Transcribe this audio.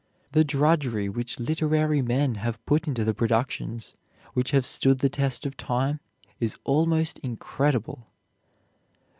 The drudgery which literary men have put into the productions which have stood the test of time is almost incredible.